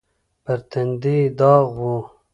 پر تندي يې داغ و.